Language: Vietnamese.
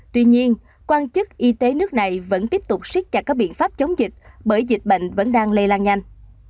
tuy nhiên quan chức y tế nước này vẫn tiếp tục siết chặt các biện pháp chống dịch bởi dịch bệnh vẫn đang lây lan nhanh